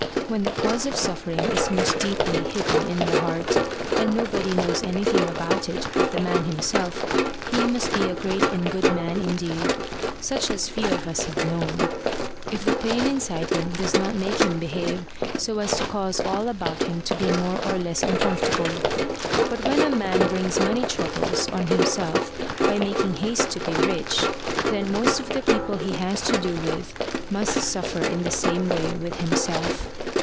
When the cause of suffering is most deeply hidden in the heart, and nobody knows anything about it but the man himself, he must be a great and a good man indeed, such as few of us have known, if the pain inside him does not make him behave so as to cause all about him to be more or less uncomfortable. But when a man brings money troubles on himself by making haste to be rich, then most of the people he has to do with must suffer in the same way with himself.